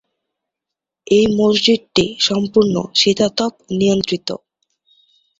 এই মসজিদটি সম্পূর্ণ শীতাতপ নিয়ন্ত্রিত।